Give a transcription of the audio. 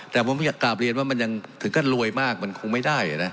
แต่ผมอยากกลับเรียนว่ามันยังถึงก็รวยมากมันคงไม่ได้นะ